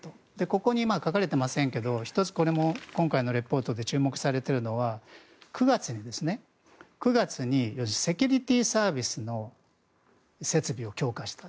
ここに書かれてませんが１つ今回のレポートで注目されているのが９月にセキュリティーサービスの設備を強化している。